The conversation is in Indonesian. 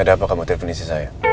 ada apa kamu telfonisi saya